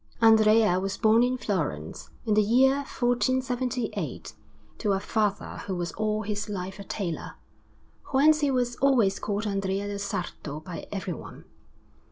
Andrea was born in Florence, in the year 1478, to a father who was all his life a tailor; whence he was always called Andrea del Sarto by everyone.